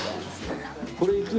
これいく？